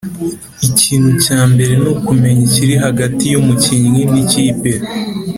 Ikintu cya mbere nukumenya ikiri hagati y’umukinnyi n’ikipe